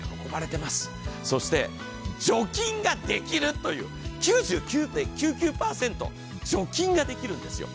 そして除菌ができるという、９９．９９％除菌ができるんですよ。